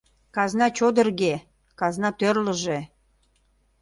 — Казна чодырге, казна тӧрлыжӧ.